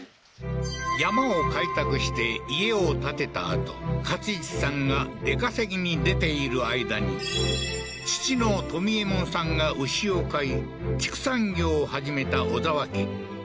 山を開拓して家を建てたあと勝一さんが出稼ぎに出ている間に父の冨右衛門さんが牛を飼い畜産業を始めた小澤家